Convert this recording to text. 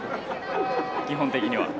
基本的には。